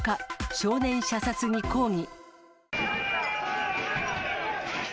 少年射殺に抗議。